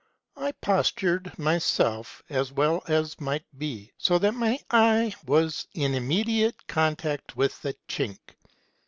I postured myself as well as might be, so that my eye was in immediate contact with the chink.